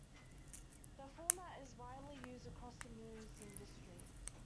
The format is widely used across the news industry.